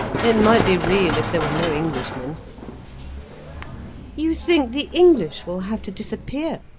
It might be real, if there were no Englishmen." "You think the English will have to disappear?"